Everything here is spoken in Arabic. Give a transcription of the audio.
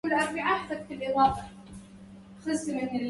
يا واحد الناس في الآلاء